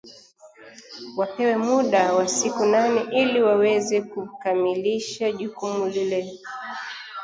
wapewe muda wa siku nane ili waweze kukamilisha jukumu lile